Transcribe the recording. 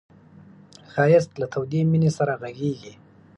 ښایست له تودې مینې سره غږېږي